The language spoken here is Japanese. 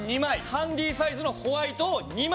ハンディサイズのホワイトを２枚。